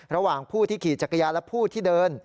ระหว่างผู้ที่ขี่จักรยานและผู้ที่เดิน